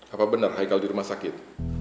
apa benar haikal di rumah sakit